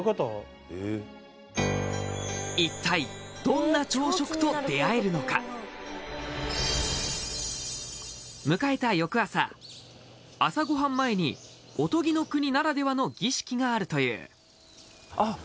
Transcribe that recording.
一体どんな朝食と出会えるのか迎えた朝ごはん前におとぎの国ならではの儀式があるというあっ